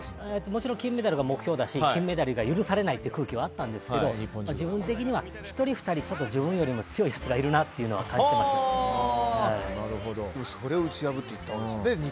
もちろん金が目標だし銀メダルが許されないという空気はあったんですけど自分的には１人２人自分より強い人がいるなというのはでも、それを打ち破ったんですね。